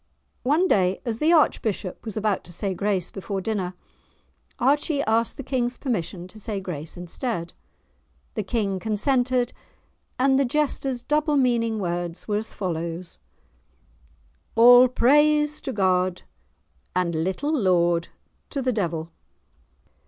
One day, as the archbishop was about to say grace before dinner, Archie asked the King's permission to say grace instead. The King consented, and the jester's double meaning words were as follows:— "All praise to God, and little laud to the devil!"